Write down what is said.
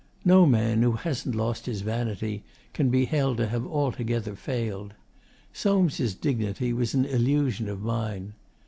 No man who hasn't lost his vanity can be held to have altogether failed. Soames' dignity was an illusion of mine.